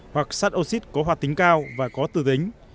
hoặc sắt oxy có hoạt tính cao và có từ tính